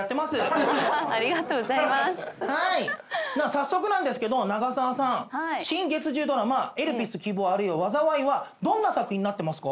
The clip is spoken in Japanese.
早速なんですけど長澤さん。新月１０ドラマ『エルピス−希望、あるいは災い−』はどんな作品になってますか？